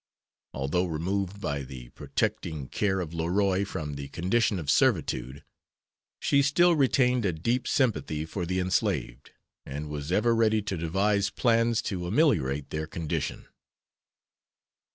Although removed by the protecting care of Leroy from the condition of servitude, she still retained a deep sympathy for the enslaved, and was ever ready to devise plans to ameliorate their condition.